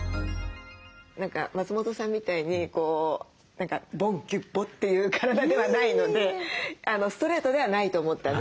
何か松本さんみたいにこうボンキュボッという体ではないのでストレートではないと思ったんですね。